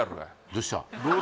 どうした？